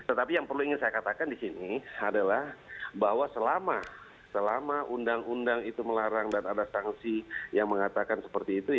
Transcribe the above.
yang saya inginkan di sini adalah bahwa selama undang undang itu melarang dan ada sanksi yang mengatakan seperti itu